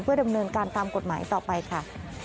ดำเนินการตามกฎหมายต่อไปค่ะ